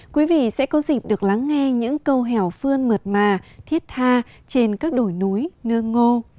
quý vị sẽ có dịp được lắng nghe những câu hẻo phương mượt mà thiết tha trên các đồi núi nương ngô